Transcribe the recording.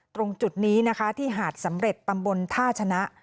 ตรงจุดนี้นะคะที่หาดสำเร็จตำบลท่าชนะ